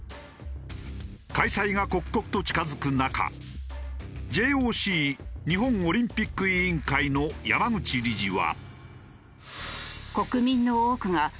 開催が刻々と近付く中ＪＯＣ日本オリンピック委員会の山口理事は。